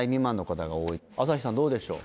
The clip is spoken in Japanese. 朝日さんどうでしょう？